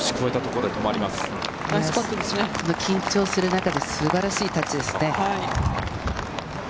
緊張する中で素晴らしいタッチですね。